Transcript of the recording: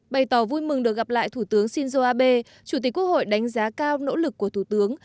bày tỏ vui mừng được gặp lại thủ tướng shinzo abe chủ tịch quốc hội đánh giá cao nỗ lực của thủ tướng